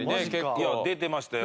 いや出てましたよ。